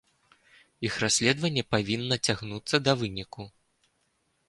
Іх расследаванне павінна цягнуцца да выніку.